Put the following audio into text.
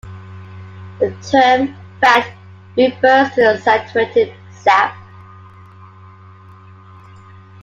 The term "fat" refers to the saturated sap.